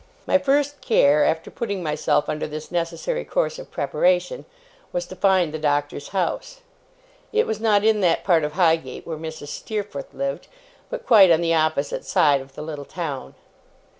My first care, after putting myself under this necessary course of preparation, was to find the Doctor's house. It was not in that part of Highgate where Mrs. Steerforth lived, but quite on the opposite side of the little town.